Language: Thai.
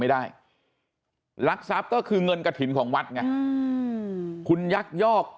ไม่ได้หลักทรัพย์ก็คือเงินกระถิ่นของวัดไงคุณยักษ์ยอก